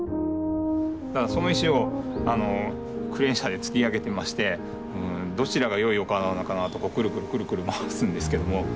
その石をクレーン車でつり上げてましてどちらが良いお顔なのかなとくるくるくるくる回すんですけども。